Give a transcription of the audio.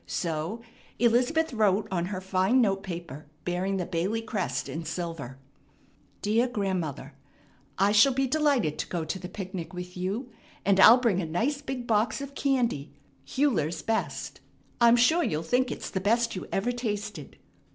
So Elizabeth wrote on her fine note paper bearing the Bailey crest in silver: "Dear Grandmother: I shall be delighted to go to the picnic with you, and I'll bring a nice big box of candy, Huyler's best. I'm sure you'll think it's the best you ever tasted.